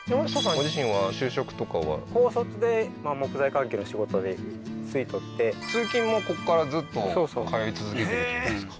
ご自身は就職とかは高卒で木材関係の仕事に就いとって通勤もここからずっと通い続けてるってことですか